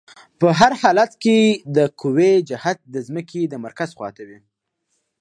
په هر حالت کې د قوې جهت د ځمکې د مرکز خواته دی.